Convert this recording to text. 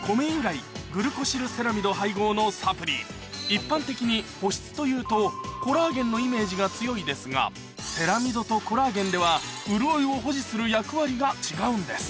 その１つが一般的に保湿というとコラーゲンのイメージが強いですがセラミドとコラーゲンでは潤いを保持する役割が違うんです